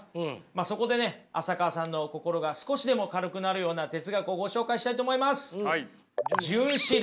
そこでね浅川さんの心が少しでも軽くなるような哲学をご紹介したいと思います。